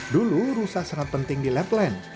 dulu rusa sangat penting di lapland